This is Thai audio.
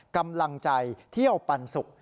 กำลังใจเที่ยวปันสุก